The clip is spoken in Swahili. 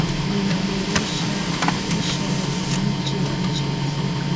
zinaboresha maisha ya wananchi wa nchi husika